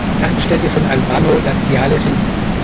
Partnerstädte von Albano Laziale sind